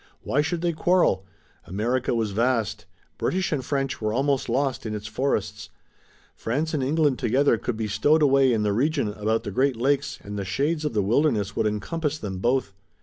Why should they quarrel? America was vast. British and French were almost lost in its forests. France and England together could be stowed away in the region about the Great Lakes and the shades of the wilderness would encompass them both.